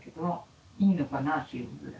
いいのかなあっていうぐらい。